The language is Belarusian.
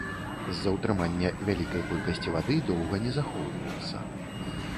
З-за ўтрымання вялікай колькасці вады доўга не захоўваюцца.